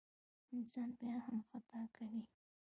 انسان بیا هم خطا کوي.